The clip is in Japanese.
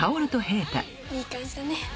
いい感じだね。